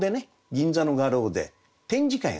銀座の画廊で展示会があって。